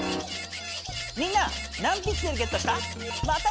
みんな何ピクセルゲットした？